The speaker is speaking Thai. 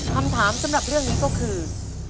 คำถามสำหรับเรื่องนี้ก็คือ